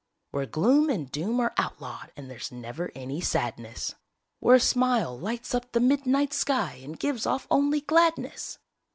Where gloom and doom are outlawed and there's never any sadness. Where a smile lights up the midnight sky and gives off only gladness!